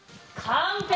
完璧。